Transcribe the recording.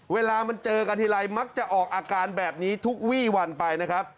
เวลามันเจอกันทีไรมักจะออกอาการแบบนี้ทุกวี่วันไปนะครับ